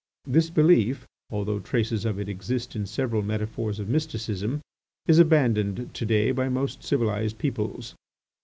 This belief, although traces of it exist in several metaphors of mysticism, is abandoned to day, by most civilised peoples.